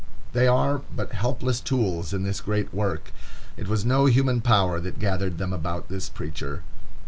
They are but helpless tools in this great work. It was no human power that gathered them about this preacher.